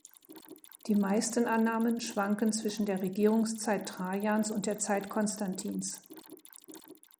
Die meisten Annahmen schwanken zwischen der Regierungszeit Trajans und der Zeit Konstantins.